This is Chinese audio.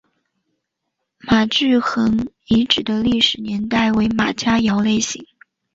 马聚垣遗址的历史年代为马家窑类型。